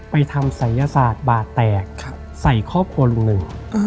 ทำศัยศาสตร์บาดแตกใส่ครอบครัวลุงหนึ่ง